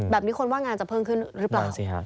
คนว่างานจะเพิ่มขึ้นหรือเปล่า